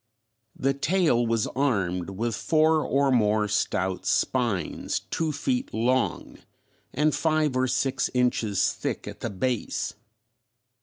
The tail was armed with four or more stout spines two feet long and five or six inches thick at the base.